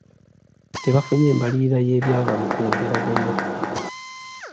Tebafunye mbalirira y'ebyava mu kwogeraganya.